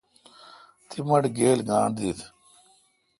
تی مٹھ گیل گانٹھ دیت؟